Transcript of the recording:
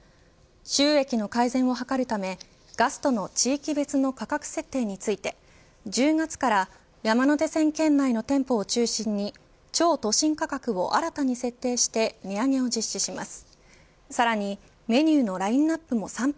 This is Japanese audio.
収益の改善を図るためガストの地域別の価格設定について１０月から山手線圏内の店舗を中心に超都心価格を新たに設定して値上げを実施します。